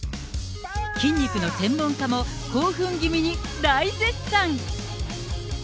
筋肉の専門家も、興奮気味に大絶賛。